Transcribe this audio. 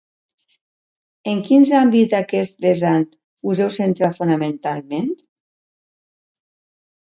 En quins àmbits d’aquest vessant us heu centrat fonamentalment?